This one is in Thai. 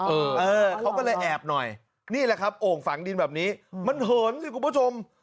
เออเออเขาก็เลยแอบหน่อยนี่แหละครับโอ่งฝังดินแบบนี้มันเหินสิคุณผู้ชม